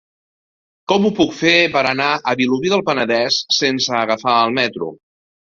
Com ho puc fer per anar a Vilobí del Penedès sense agafar el metro?